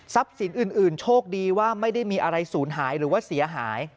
ทรัพย์ศิลป์อื่นโชคดีว่าไม่ได้มีอะไรสูญหายหรือเสียหาย